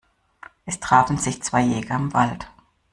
Es trafen sich zwei Jäger im Wald.